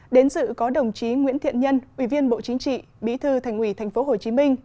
đến dự có đồng chí nguyễn thiện nhân ủy viên bộ chính trị bí thư thành ủy tp hcm